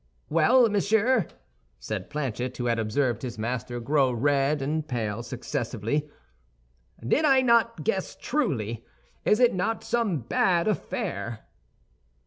"Well, monsieur," said Planchet, who had observed his master grow red and pale successively, "did I not guess truly? Is it not some bad affair?"